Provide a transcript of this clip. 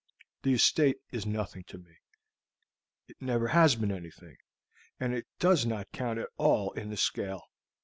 The estate is nothing to me. It never has been anything, and it does not count at all in the scale.